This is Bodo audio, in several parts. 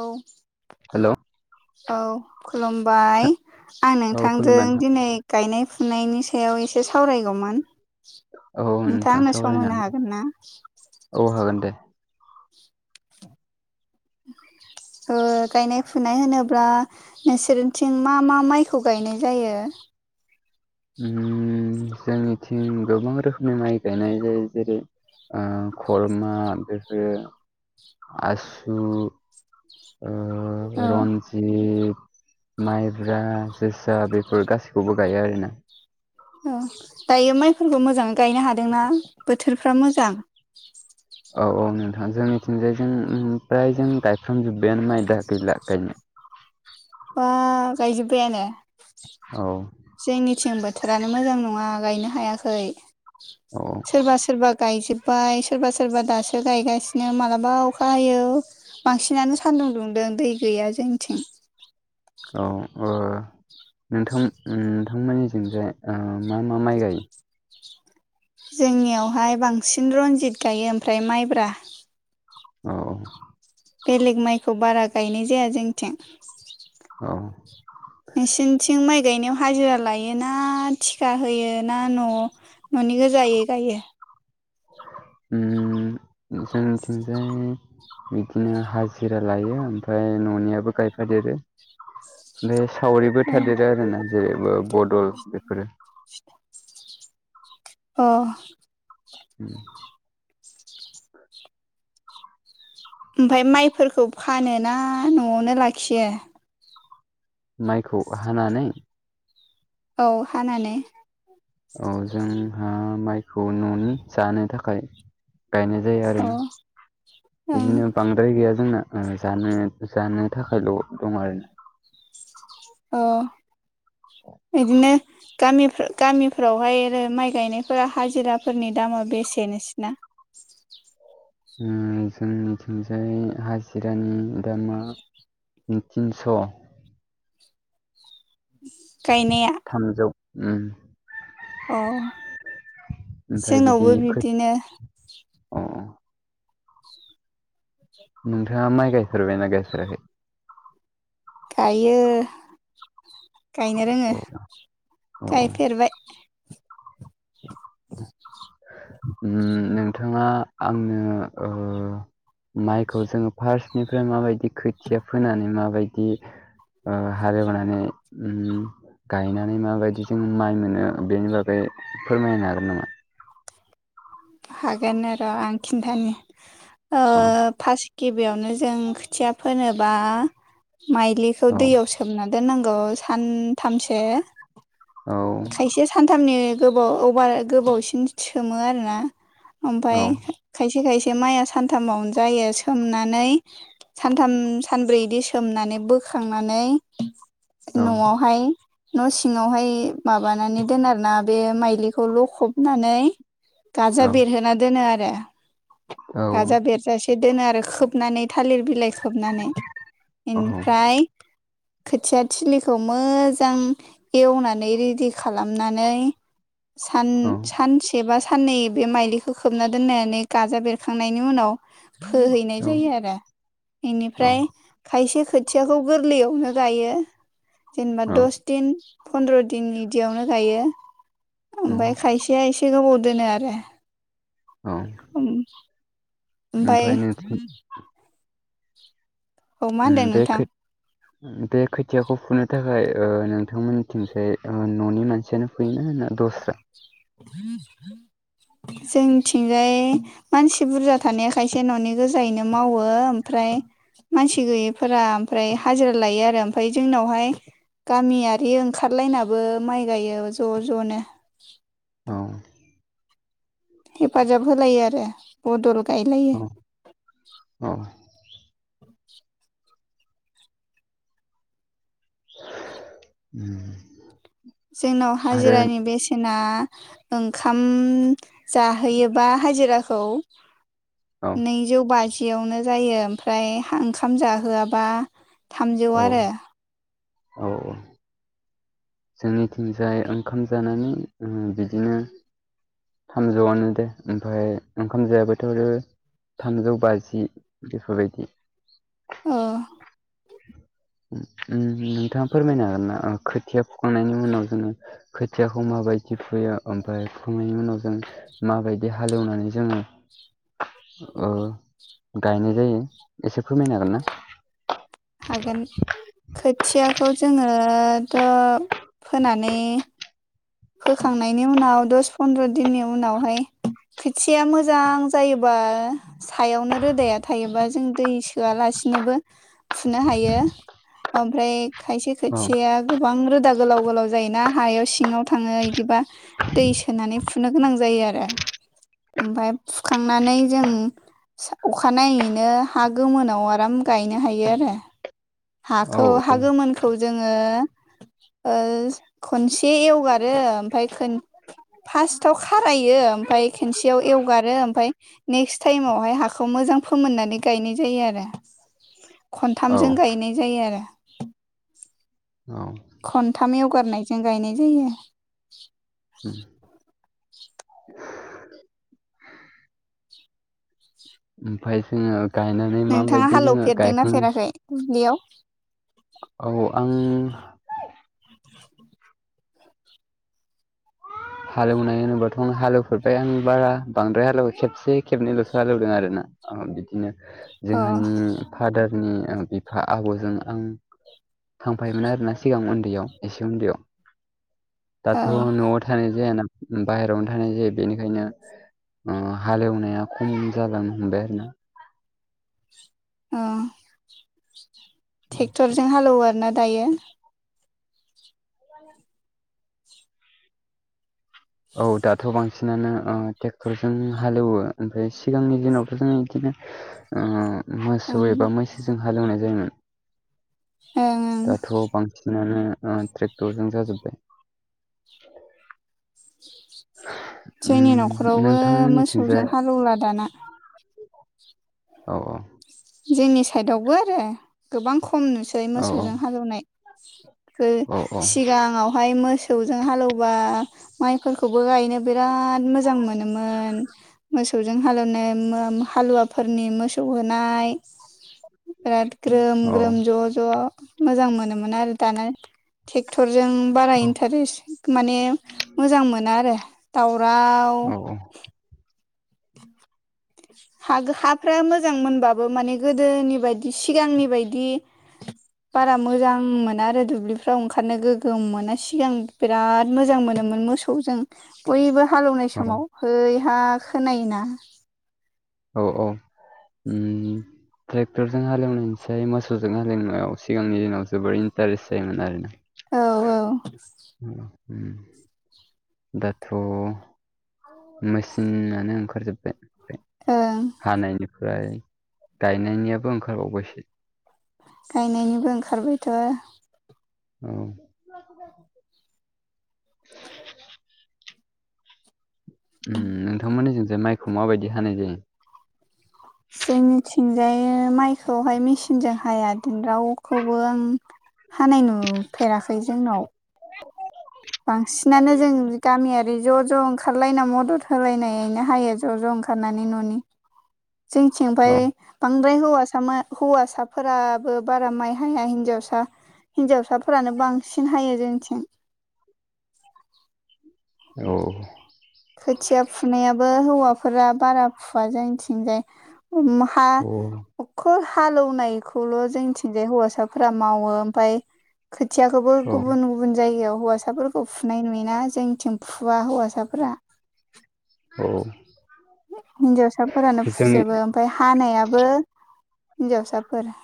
औ। हेल' औ खुलुमबाय आं औ खुलुमबाय नोंथांजों नोंथां दिनै गायनाय खुनायनि सायाव एसे सावरायगौमोन औ नोंथां नोंथां आंनो सम सावरायनो होनो हागोन ना? औ हागोन दे। गायनाय फुनाय होनोब्ला नोंसोरनिथिं मा मा माइखौ गायनाय जायो? जोंनिथिं गोबां रोखोमनि माइ गायनाय जायो जेरै खरमा बेफोरो आसु ओ औ रन्जि जित माइब्रा जोसा बेफोर गासैखौबो गायो आरोना। औ दायो माइफोरखौ मोजाङै गायनो हादोंना बोथोरफ्रा मोजां? औ औ नोंथां जोंनिथिंजाय जों ओमफ्राय जों गायफ्रामजोब्बायानो माइ दा गैला गायनो। बा गायजोबायानो? औ जोंनिथिं बोथोरानो मोजां नङा गायनो हायाखै औ सोरबा सोरबा गायजोब्बाय सोरबा सोरबा दासो गायगासिनो मालाबा अखा हायो। बांसिनानो सानदुं दुंदों दै गैया जोंनिथिं। औ ओ नोंथां नोंथांमोननिजोंजाय ओ मा मा माइ गायो? जोंनियावहाय बांसिन रनजित गायो ओमफ्राय माइब्रा। औ बेलेग माइखौ बारा गायनाय जाया जोंथिं। औ [inaudible] नोंसिनिथिं माइ गायनायाव हाजिरा लायो ना थिखा होयो ना न' न'नि गोजायै गायो? उम जोंनिथिंजाय बिदिनो हाजिरा लायो ओमफ्राय न'नियाबो गायफादेरो। बे सावरिबो थादेरो आरोना जेरैबो बदल बेफोरो। अ उम ओमफाय माइफोरखौ फानो ना न'आवनो लाखियो? माइखौ हानानै औ हानानै औ जोंहा माइखौ न'नि जानो थाखाय गायनाय जायो आरो अ ना ओं बिदिनो बांद्राय गैया जोंना। उम जानो जानो थाखायल' दं आरोना? औ इदिनो गामिफो गामिफोरावहाय रो माइ गायनायफोरा हाजिराफोरनि दामा बेसे नोंसोरना? उम जोंनिथिंजाय हाजिरानि दामा तिनस' गायनाया थामजौ उम अ ओमफ्राय बिदि जोंनावबो खो बिब्दिनो। अ नोंथाङा माइ गायफेरबायना गायफेराखै? गायो गायनो रोङो औ गायफेरबाय। उम नोंथाङा आंनो माइखौ जोङो फार्स्टनिफ्राय माबायदि खोथिया फोनानै माबायदि? ओ हालेवनानै उम गायनानै माबायदि जोङो माइ मोनो बेनि बागै फोरमायनो हागोन नामा? हागोन आर' आं खिन्थानि औ ओब फार्स्ट गिबियावनो जों खोथिया फोनोबा माइलिखौ औ दैयाव सो सोमना दोननांगौ सानथामसो औ खायसे सानथामनि गोबाव औ बार गोबावसिन सोमो आरोना? औ ओमफाय खायसे खायसे माइआ सानथामावनो जायो सोमनानै सानथाम सानब्रै इदि सोमनानै बोखांनानै औ न'आवहाय न' सिङावहाय माबानानै दोन आरो ना बे माइलिखौ लखबनानै गाजा औ बेरहोना दोनो आरो औ गाजा बेरजासि ए दोनो आरो खोबनानै थालिर बिलाइ खोबनानै औ इनिफ्राय खोथिया थिलिखौ मोजां एवनानै रेडि खालामनानै सान सानसे बा सा साननै बे माइलिखौ खोबना दोननानै गाजा बेरखांनायनि उनाव फोहैनाय औ जायो आरो औ इनिफ्राय खायसे खोथियाखौ गोरलैयावनो गायो। जेनेबा औ दस दिन पन्द्र' दिन बिदियावनो गायो नंगौ ओमफ्राय खायसे या एसे गोबाव दोनो आरो औ उम ओमफ्राय औ मा उम होनदों आमफाय नोंथां खो ओम बे खोथियाखौ फुनो थाखाय ओ नोंथांमोनथिंसाय ओ न'नि मानसियानो फुयोना ना दस्रा जोंथिंजाय मानसि बुरजा थानाया खायसे न'नि गोजायैनो मावो ओमफ्राय मानसि गैयैफोरा ओमफ्राय हाजिरा लायो आरो ओमफ्राय जोंनावहाय गामियारि ओंखारलायनाबो माइ गायो ज' ज'नो औ हेफाजाब होलायो आरो बदल गायलाय औ औ उम जोंनाव आरो हाजिरानि बेसेना ओंखाम जाहोयोबा हाजिराखौ औ नैजौ बाजियावनो जायो ओमफ्राय हा ओंखाम जाहोआबा थामजौ औ आरो औ औ जोंनिथिंजाय ओंखाम जानानै ओम बिदिनो थामजौआनो दे ओमफ्राय ओंखाम जायाबोथ' थामजौ बाजि बेफोरबायदि ओ ओम नोंथाङा फोरमायनो हागोन ना खोथिया फुखांनायनि उनाव जोङो खोथियाखौ माबायदि फुयो ओमफ्राय फुनायनि उनाव जों माबायदि हालेवनानै जोङो ओ गायनाय जायो एसे फोरमायनो हागोन ना? हागोन खोथियाखौ जोङोथ' फोनानै फोखांनायनि उनाव दस फन्द्र दिननि उनावहाय खोथियाया मोजां जायोबा सायावनो रोदाया थायोबा जों दै सोआलासिनोबो फुनो हायो ओमफ्राय खायसे औ खोथियाया गोबां रोदा गोलाव गोलाव जायोना हायाव सिङाव थाङो इदिबा दै सोनानै फुनो गोनां जायो आरो ओमफाय फुखांनानै जों सा अखानायैनो हा गोमोनाव आराम गायनो हायो आरो औ हाखौ हा औ गोमोनखौ जोङो ओ खनसे एवगारो ओमफ्राय खोन फार्स्टआव खारायो ओमफ्राय खेनसेयाव एवगारो ओमफ्राय नेक्स्ट टाइमावहाय हाखौ मोजां फोमोननानै गायनाय जायो आरो औ खनथामजों गायनाय जायो आरो औ खनथाम एवगारनायजों गायनाय जायो ओमफय जोङो गायनानै माबायदि जोङो गायखांनो दुब्लिआव औ आं हालेवनाय होनोब्लाथ' आं हालेवफेरबाय आं बारा बांद्राय हालेवो खेबसे खेबनैल'सो हालेवदों आरो ना ओ बिदिनो अ जोंहानि फादारनि ओ बिफा आबौजों आं थांफायोमोन आरोना सिगां उन्दैयाव एसे उन्दैयाव औ दाथ' न' थानाय जाया ना बाहेरायावनो थानाय जायो बेनिखायनो हालेवनाया खम जालांनो हमबाय आरो ना। ओ ट्रेक्टरजों हालेवो आरो ना दायो। औ दाथ' बांसिनानो ट्रेक्टरजों हालेवो ओमफ्राय सिगांनि दिनावथ' जोङो इदिनो [inaudible] मोसौ ओं एबा मैसोजों हालेवनाय जायोमोन। ओं ओं दाथ' बांसिनानो ट्रेक्टरजों जाजोब्बाय। [inaudible] जोंनि उम न'खरावबो मोसौजों नोंथांमोननिथिंजाय हालेवला दाना। औ औ जोंनि साइदावबो आरो गोबां खम नुसै औ मोसौजों हालौनाय। औ सिगाङावहाय मोस मोथौजों हालौवबा माइफोरखौबो गायनो बिराद मोजां मोनोमोन। मोसौजों हालेवनाय हालुवाफोरनि मोसौ होनाय। बिराद ग्रोम औ ग्रोम ज' ज' मोजां मोनोमोन आरो दाना ट्रेक्टरजों बारा औ इन्टारेस्ट माने मोजां मोनो आरो दावराव। औ [inaudible] हा हाफ्रा मोजां मोनबाबो माने गोदोनि बायदि सिगांनि बायदि बारा मोजां मोना आरो दुब्लिफ्राव ओंखारनो गोगोम मोना सिगां बिराद मोजां मोनोमोन मोसौजों। बयबो हालौवनाय औ समाव हैहा खोनायोना। औ ओम ट्रेक्टरजों हालेवनायसाय मोसौजों हालेवनायाव सिगांनि दिनाव जोबोर इन्टारेस्ट जायोमोन आरो ना। औ औ अ दाथ' मेसिनानो ओंखारजोब्बाय ओं हानायनिफ्राय गायनायनियाबो ओंखारबावबायसो। गायनायनिबो ओंखारबायथ' औ [inaudible] नोंथांमोननि जों ज माइखौ माबायदि हानाय जायो? जोंनिथिंजाय माइखौहाय मेसििनजों हाया रावखौबो आं हानाय नुफेराखै जोंनाव। [inaudible] बांसिनानो जों गामियारि ज' ज' ओं ओंखारलायना मदद होलायनायनो हायो ज' ज' ओंखारनानै न'नि। औ जोंथिंफाय बांद्राय हौवासा हौवासाफोराबो बारा माइ हाया हिनजावसा हिनजावसाफोरानो बांसिन हायो जोंथिं। औ खोथिया फुनायाबो हौवाफोरा बारा फुवा जायथिंजाय हा हखल हालौनायखौल' जोंथिंजाय हौवासाफोरा मावो ओमफ्राय खोथियाखौबो औ गुबुन गुबुन जायगायाव हौवासाफोरखौ फुनाय नुयोना जोंनिथिं फुवा हौवासाफोरा। अ हिनजावसाफोरानो जोंनि फुजोबो ओमफ्राय हानायाबो हिन्जावसाफोर।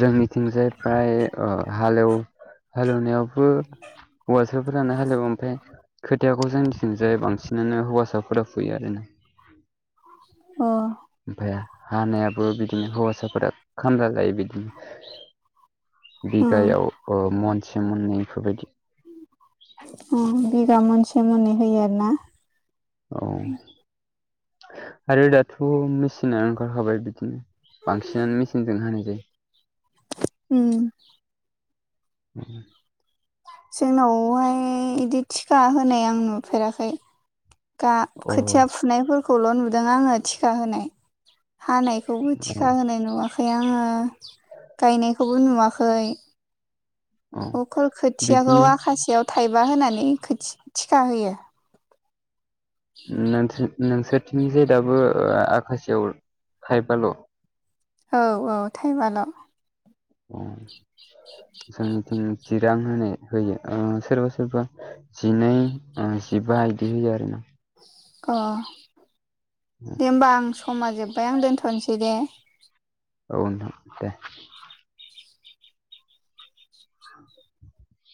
जोंनिथिंजाय फ्राय ओ हालेव हालेवनायावबो हौवासाफोरानो हालेवाव ओमफ्राय खोथायाखौ जोंथिनोजै बांसिनानो हौवासाफोरा फैयो आरो ना अ ओमफफ्राय हानायाबो बिदिनो हौवासाफोरा खामला गायो बिदिनो अ बिगायाव ओ मनसे मनैफोरबायदि अ बिगा मोनसे मोननै होयो आरो ना औ आरो दाथ' मेचना ओंखारखाबाय बिदिनो बांसिनानो मेचनजों हानायजायो। उम [inaudible] जोंनावहाय बिदि थिखा होनाय आं नुफेराखै गा औ खोथिया फुनायफोरखौल' नुदों आंङो टिका होनाय। हानायखौबो औ थिखा होनाय नुवाखै आंङो गायनायखौबो नुवाखै। औ अखर खोथियाखौ बिदिनो आखाासेयाव थाइबा होनानै थिखा होयो। नोंसोर नोंसोरनिथिंजाय दाबो आखाासेयाव थायबाल। औ औ टाइमाल' जोंनिथिं जिरां होनाय होयो सोरबा सोरबा जिनै जिबा बिदि होयो आरो ना। अ दे होमबा आं समा जोब्बाय आं दोनथ'नोसै दे। औ नोंथां दे। [inaudible]